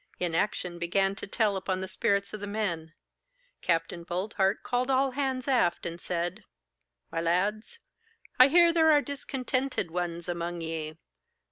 Inaction began to tell upon the spirits of the men. Capt. Boldheart called all hands aft, and said, 'My lads, I hear there are discontented ones among ye.